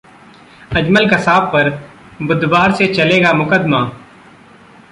अजमल कसाब पर बुधवार से चलेगा मुकदमा